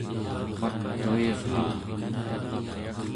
patuiraa